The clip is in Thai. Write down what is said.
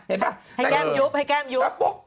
ให้แก้มยุบให้แก้มยุบ